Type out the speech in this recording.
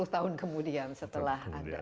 sepuluh tahun kemudian setelah ada